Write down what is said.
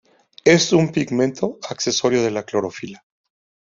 Es un pigmento accesorio de la clorofila.